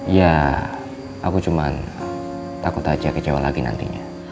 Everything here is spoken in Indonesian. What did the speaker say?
ya aku cuma takut aja kecewa lagi nantinya